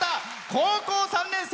高校３年生。